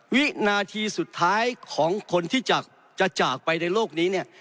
วินาทีสุดท้ายของคนที่จะจากไปในโลกนี้เนี่ย